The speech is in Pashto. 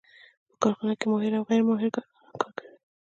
په کارخانه کې ماهر او غیر ماهر کارګران کار کوي